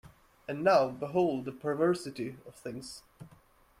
And now behold the perversity of things.